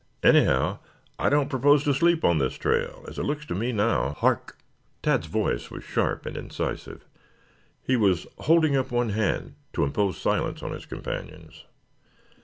Anyhow, I don't propose to sleep on this trail as it looks to me now " "Hark!" Tad's voice was sharp and incisive. He was holding up one hand to impose silence on his companions.